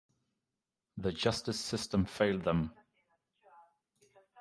The justice system failed them.